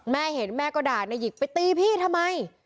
แม่เห็นแม่ก็ด่านายิกไปตีพี่ทำไม